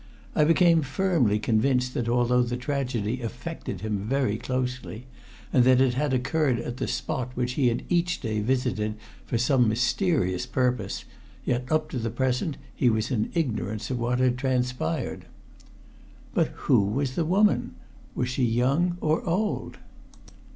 I became firmly convinced that although the tragedy affected him very closely, and that it had occurred at the spot which he had each day visited for some mysterious purpose, yet up to the present he was in ignorance of what had transpired. But who was the woman? Was she young or old?